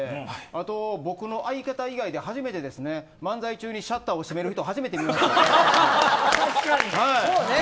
あと僕の相方以外で初めて漫才中にシャッターを閉める人